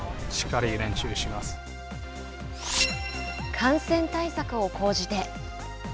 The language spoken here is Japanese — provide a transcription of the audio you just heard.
感染対策を講じて。